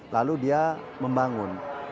lalu dia membangun